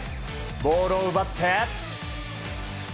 ボールを奪って。